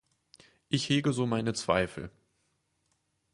Ich hege so meine Zweifel.